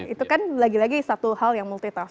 itu kan lagi lagi satu hal yang multitas